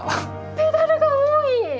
ペダルが多い！